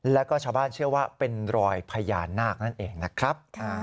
แล้วก็ชาวบ้านเชื่อว่าเป็นรอยพญานาคนั่นเองนะครับ